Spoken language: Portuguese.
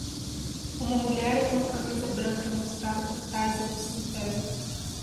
Uma mulher em uma camisa branca é mostrada por trás em um cemitério.